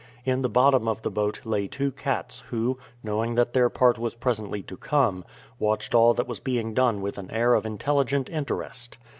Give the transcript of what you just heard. In the bottom of the boat lay two cats who, knowing that their part was presently to come, watched all that was being done with an air of intelligent interest.